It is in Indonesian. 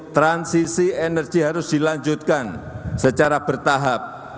transisi energi harus dilanjutkan secara bertahap